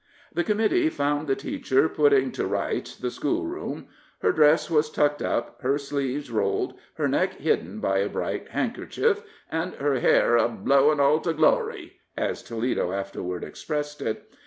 The committee found the teacher "putting to rights" the schoolroom. Her dress was tucked up, her sleeves rolled, her neck hidden by a bright handkerchief, and her hair "a blowin' all to glory," as Toledo afterward expressed it.